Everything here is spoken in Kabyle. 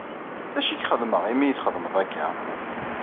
D acu i ak-xedmeɣ imi iyi-txedmeḍ akka?